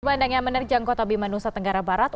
bandang yang menerjang kota bima nusa tenggara barat